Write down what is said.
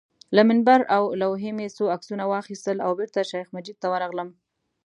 له منبر او لوحې مې څو عکسونه واخیستل او بېرته شیخ مجید ته ورغلم.